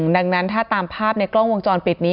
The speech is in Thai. ดังนั้นถ้าตามภาพในกล้องวงจรปิดนี้